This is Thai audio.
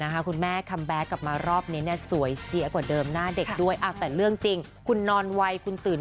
หน้ามันจะไม่เด็กได้ยังไง